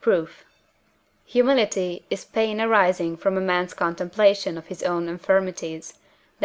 Proof. Humility is pain arising from a man's contemplation of his own infirmities (Def.